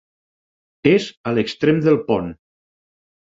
És a l'extrem del pont.